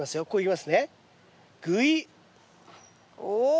お。